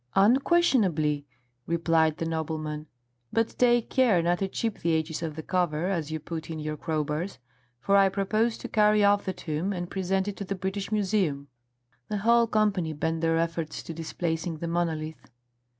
"Unquestionably," replied the nobleman; "but take care not to chip the edges of the cover as you put in your crow bars, for I propose to carry off the tomb and present it to the British Museum." The whole company bent their efforts to displacing the monolith.